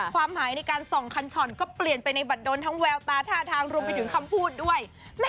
ความหมายในการส่องคันช่อนก็เปลี่ยนไปในบัตรดนทั้งแววตาท่าทางรวมไปถึงคำพูดด้วย